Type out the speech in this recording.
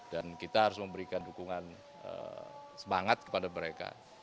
dan kita harus memberikan dukungan semangat kepada mereka